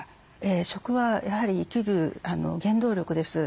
食はやはり生きる原動力です。